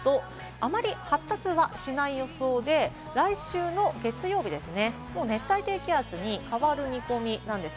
あまり発達はしない予報で、来週の月曜日ですね、熱帯低気圧に変わる見込みなんです。